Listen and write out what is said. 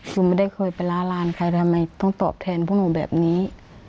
หนูไม่ได้เคยไปล้าลานใครทำไมต้องตอบแทนพวกหนูแบบนี้